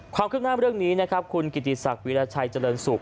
ความขึ้นหน้าเรื่องนี้คุณกิติศักดิ์วิราชัยเจริญสุข